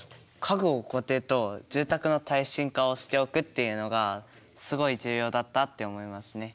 家具を固定と住宅の耐震化をしておくっていうのがすごい重要だったって思いますね。